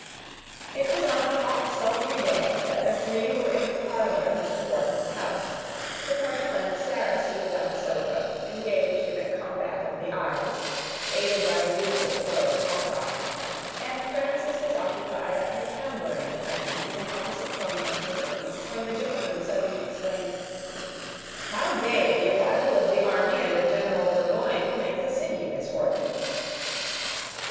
It was on a hot, sultry day that the three were in the parlor of Mr. Wharton's house, the colonel and Sarah seated on a sofa, engaged in a combat of the eyes, aided by the usual flow of small talk, and Frances was occupied at her tambouring frame in an opposite corner of the room, when the gentleman suddenly exclaimed,— "How gay the arrival of the army under General Burgoyne will make the city, Miss Wharton!"